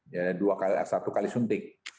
ya satu kali suntik